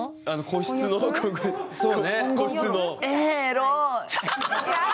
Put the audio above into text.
個室の。え！